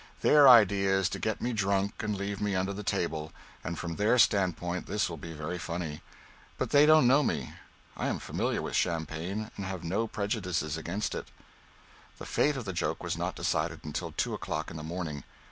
Their idea is to get me drunk and leave me under the table, and from their standpoint this will be very funny. But they don't know me. I am familiar with champagne and have no prejudices against it." The fate of the joke was not decided until two o'clock in the morning.